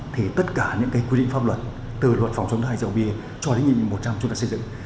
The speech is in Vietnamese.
thì tất cả những cái quy định pháp luật từ luật phòng chống thai dầu bia cho đến nhiệm vụ một trăm linh chúng ta xây dựng